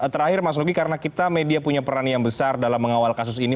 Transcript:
terakhir mas nugi karena kita media punya peran yang besar dalam mengawal kasus ini